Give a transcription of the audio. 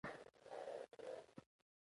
نظارت د ادارې د فعالیت له جریانه دی.